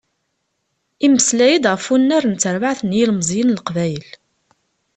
Yemmeslay-d ɣef wannar n terbeɛt n yilmeẓyen n Leqbayel.